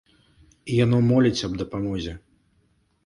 І яно моліць аб дапамозе.